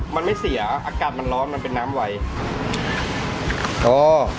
มันไม่เสียอากาศมันร้อนมันเป็นน้ำไวเออ